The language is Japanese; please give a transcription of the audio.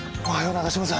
中島さん。